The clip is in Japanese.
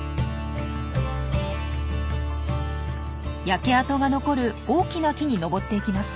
焼け跡が残る大きな木に登っていきます。